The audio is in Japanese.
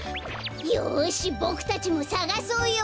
よしボクたちもさがそうよ！